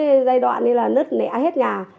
mà trong cái giai đoạn này là nứt nẻ hết nhà